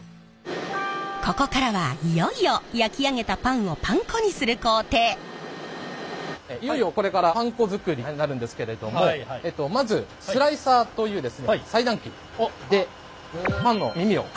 ここからはいよいよ焼き上げたパンをいよいよこれからパン粉作りになるんですけれどもまずスライサーという裁断機でパンの耳をカットしていきます。